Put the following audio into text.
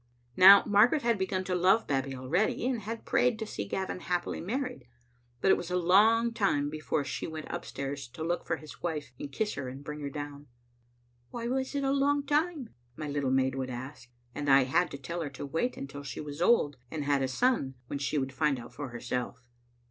Now Margaret had begun to love Babbie already, and had prayed to see Gavin happily married ; but it was a long time before she went upstairs to look for his wife and kiss her and bring her down. "Why was it a long time?'* my little maid would ask, and I had to tell her to wait until she was old, and had a son, when she would find out for herself.